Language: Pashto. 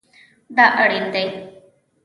دا اړین دی